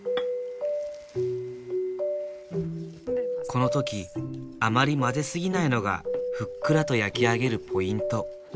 この時あまり混ぜすぎないのがふっくらと焼き上げるポイント。